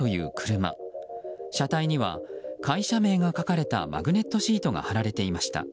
車体には会社名が書かれたマグネットシートが貼られていました。